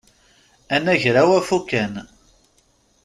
Anagraw afukan.